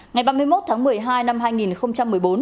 ngày ba mươi một tháng một mươi hai năm hai nghìn một mươi bốn